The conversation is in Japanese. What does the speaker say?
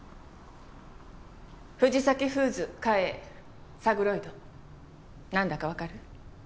藤崎フーズ嘉永サグロイドなんだかわかる？